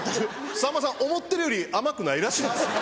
さんまさん思ってるより甘くないらしいです。